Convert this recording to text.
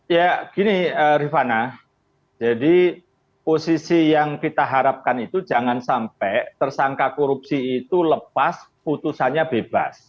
ya gini rifana jadi posisi yang kita harapkan itu jangan sampai tersangka korupsi itu lepas putusannya bebas